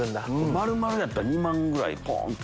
丸々やったら２万ぐらいポンって。